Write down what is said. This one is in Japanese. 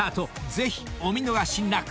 ［ぜひお見逃しなく！］